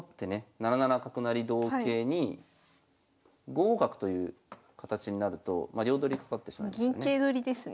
７七角成同桂に５五角という形になると両取りかかってしまいますよね。